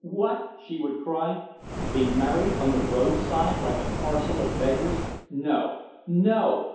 What! she would cry. To be married on the roadside like a parcel of beggars! No! No!